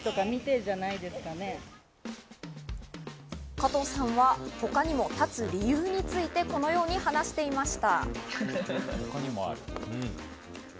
加藤さんは他にも、立つ理由についてこのように話していました。